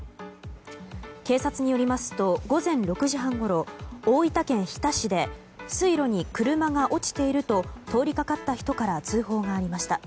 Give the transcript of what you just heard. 警察によりますと午前６時半ごろ大分県日田市で水路に車が落ちていると通りかかった人から通報がありました。